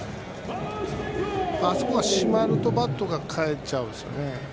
あそこが締まると、バットが返っちゃうんですよね。